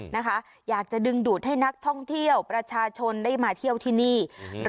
นะคะอยากจะดึงดูดให้นักท่องเที่ยวประชาชนได้มาเที่ยวที่นี่อืม